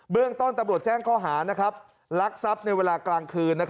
เรื่องต้นตำรวจแจ้งข้อหารักทรัพย์ในเวลากลางคืน